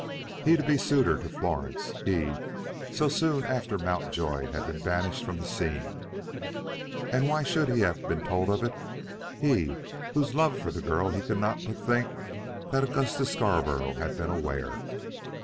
He to be suitor to Florence, he, so soon after Mountjoy had been banished from the scene! And why should he have been told of it? he, of whose love for the girl he could not but think that Augustus Scarborough had been aware.